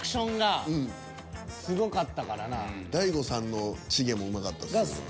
最初に大悟さんのチゲもうまかったですよね。